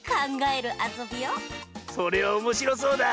それはおもしろそうだ！